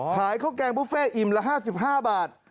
ขายข้าวแกงบุฟเฟ่อิ่มละ๕๕บาท